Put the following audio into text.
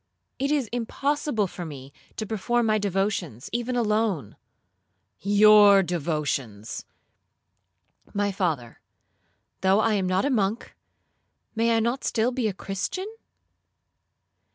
It is impossible for me to perform my devotions even alone.'—'Your devotions!'—'My father, though I am not a monk, may I not still be a Christian?'